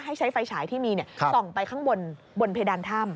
ให้ใช้ไฟฉายที่มีส่องไปข้างบนบนเพดานถ้ำ